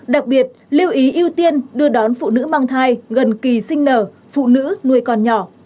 đặc biệt lưu ý ưu tiên đưa đón phụ nữ mang thai gần kỳ sinh nở phụ nữ nuôi con nhỏ